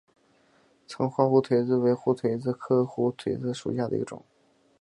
管花胡颓子为胡颓子科胡颓子属下的一个种。